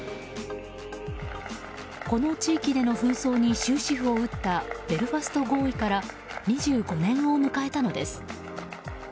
この地での紛争に終止符を打ったベルファスト合意から２５年を迎えたのです。